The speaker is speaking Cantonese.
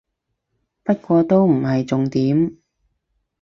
不過都唔係重點